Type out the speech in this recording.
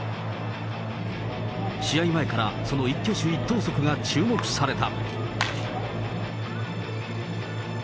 試合前からその一挙手一投足が注目された。